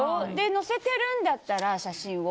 載せてるんだったら写真を。